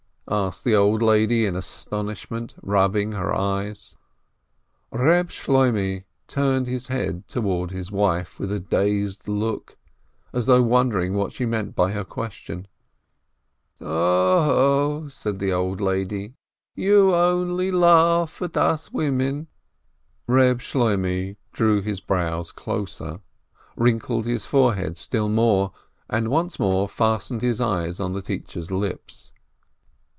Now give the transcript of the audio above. asked the old lady, in aston ishment, rubbing her eyes. Reb Shloimeh turned his head toward his wife with a dazed look, as though wondering what she meant by her question. REB SHLOIMEH 327 "Oho!" said the old lady, "you only laugh at us women !" Reb Shloimeh drew his brows closer together, wrinkled his forehead still more, and once more fastened his eyes on the teacher's lips.